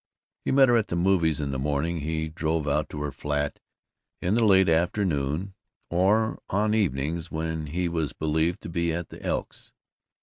He met her at the movies in the morning; he drove out to her flat in the late afternoon or on evenings when he was believed to be at the Elks.